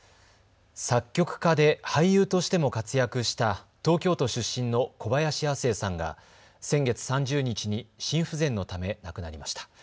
作曲家で俳優としても活躍した東京都出身の小林亜星さんが先月３０日に心不全のため亡くなりました。